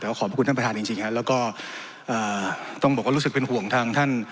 แต่ว่าขอบคุณท่านประทานจริงจริงครับแล้วก็เอ่อต้องบอกว่ารู้สึกเป็นห่วงทางท่าน